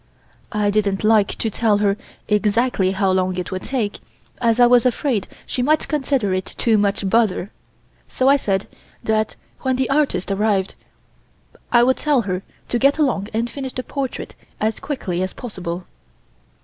I didn't like to tell her exactly how long it would take, as I was afraid she might consider it too much bother, so I said that when the artist arrived I would tell her to get along and finish the portrait as quickly as possible.